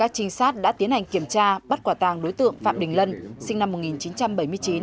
các trinh sát đã tiến hành kiểm tra bắt quả tàng đối tượng phạm đình lân sinh năm một nghìn chín trăm bảy mươi chín